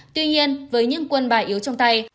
tuy nhiên với những quân bài yếu trong tay